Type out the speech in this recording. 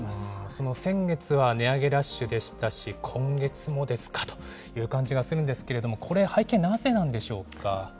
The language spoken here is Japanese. その先月は値上げラッシュでしたし、今月もですかという感じがするんですけれども、これ、背景なぜなんでしょうか。